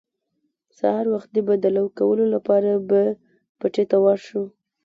سهار وختي به د لو کولو لپاره به پټي ته ور شو.